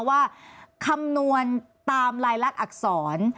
ว่าคำนวณตามลายลักษณอักษร